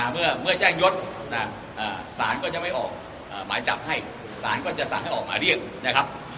เมื่อแจ้งยศสารก็จะไม่ออกหมายจับให้ศาลก็จะสั่งให้ออกหมายเรียกนะครับ